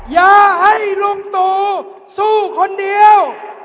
อย่าให้ลุงตู่สู้คนเดียว